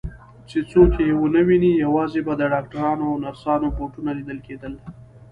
چې څوک یې ونه ویني، یوازې به د ډاکټرانو او نرسانو بوټونه لیدل کېدل.